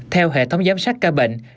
theo hệ thống giám sát ca bệnh